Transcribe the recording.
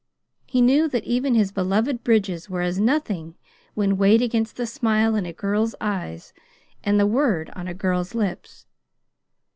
He knew that even his beloved bridges were as nothing when weighed against the smile in a girl's eyes and the word on a girl's lips.